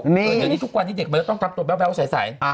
เหมือนทุกวันนี้เด็กมาแล้วต้องทำตัวแววใส